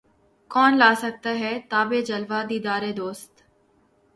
کون لا سکتا ہے تابِ جلوۂ دیدارِ دوست